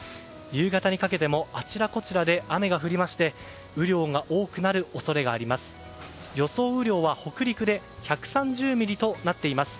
夕方にかけてもあちらこちらで雨が降りまして雨量が多くなる恐れがあります。